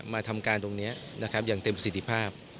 มาทำการตรงนี้นะครับอย่างเต็มสิทธิภาพ